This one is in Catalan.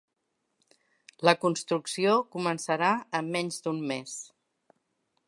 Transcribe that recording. La construcció començarà en menys d'un mes